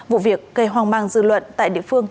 vụ việc gây hoang mang dư luận tại địa phương